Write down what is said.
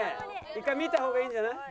１回見た方がいいんじゃない？